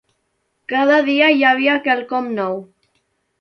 Cada dia hi havia quelcom nou.